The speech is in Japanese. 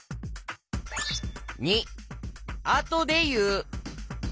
②あとでいう。